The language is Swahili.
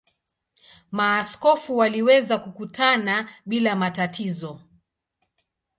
Maaskofu waliweza kukutana bila matatizo.